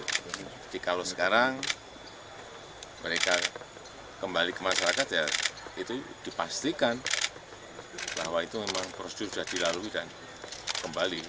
jadi kalau sekarang mereka kembali ke masyarakat ya itu dipastikan bahwa itu memang prosedur sudah dilalui dan kembali